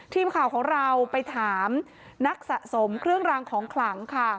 ทีมข่าวของเราไปถามนักสะสมเครื่องรางของขลังค่ะ